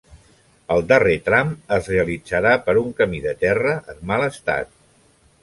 El darrer tram es realitzarà per un camí de terra en mal estat.